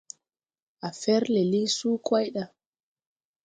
A fer le liŋ suu kway ɗa.